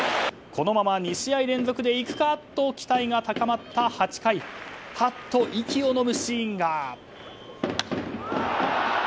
このまま２試合連続でいくかと期待が高まった８回はっと息をのむシーンが。